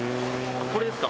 これですか？